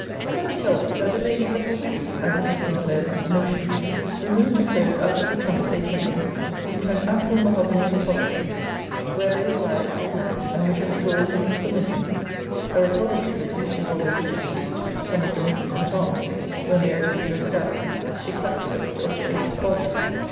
And, let me tell thee, that the lady has already (at Mrs. Sinclair's motion) removed her clothes out of the trunks they came in, into an ample mahogany repository, where they will lie at full length, and which has drawers in it for linen. A repository, that used to hold the richest suits which some of the nymphs put on, when they are to be dressed out, to captivate, or to ape quality.